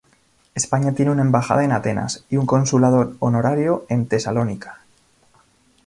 España tiene una embajada en Atenas y un consulado honorario en Tesalónica.